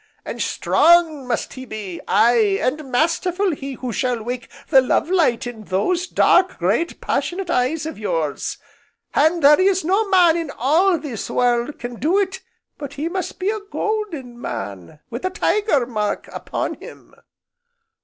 And strong must he be, aye, and masterful he who shall wake the love light in those dark, great, passionate eyes of yours. And there is no man in all this world can do it but he must be a golden man wi' the Tiger mark upon him."